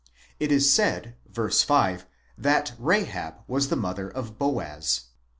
It is said ν, 5 that Rahab was the mother of Boaz.